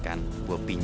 sampai jumpa lagi